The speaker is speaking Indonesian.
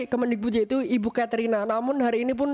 kemendikbud yaitu ibu kateria namun hari ini pun